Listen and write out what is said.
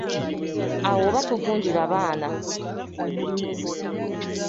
Awo oba togunjula baana.